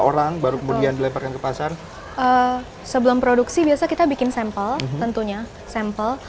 orang baru kemudian dilemparkan ke pasar sebelum produksi biasa kita bikin sampel tentunya sampel